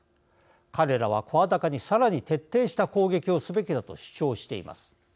彼らは声高に、さらに徹底した攻撃をすべきだと主張しています。